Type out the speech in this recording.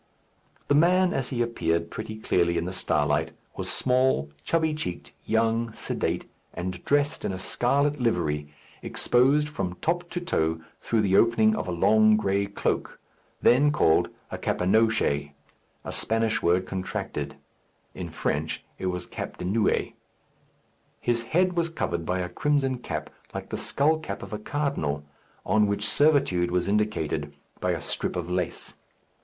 The man, as he appeared pretty clearly in the starlight, was small, chubby cheeked, young, sedate, and dressed in a scarlet livery, exposed from top to toe through the opening of a long gray cloak, then called a capenoche, a Spanish word contracted; in French it was cape de nuit. His head was covered by a crimson cap, like the skull cap of a cardinal, on which servitude was indicated by a strip of lace.